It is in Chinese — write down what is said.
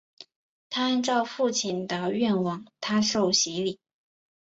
按照她父亲的愿望她受洗礼。